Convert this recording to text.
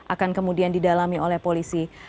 akan kemudian didalami oleh polisi